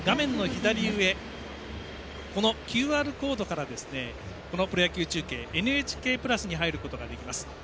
左上、ＱＲコードからプロ野球中継ＮＨＫプラスに入ることができます。